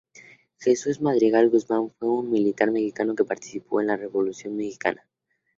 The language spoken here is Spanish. Jesús Madrigal Guzmán fue un militar mexicano que participó en la Revolución mexicana.